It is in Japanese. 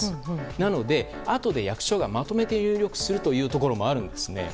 なので、あとで役所がまとめて入力するというところもあるんです。